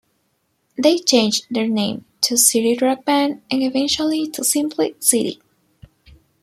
They changed their name to City Rock Band and eventually to simply City.